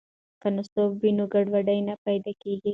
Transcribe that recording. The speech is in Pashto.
که نصاب وي نو ګډوډي نه پیدا کیږي.